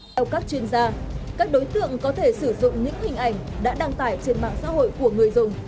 theo các chuyên gia các đối tượng có thể sử dụng những hình ảnh đã đăng tải trên mạng xã hội của người dùng